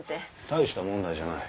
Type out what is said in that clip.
大した問題じゃない。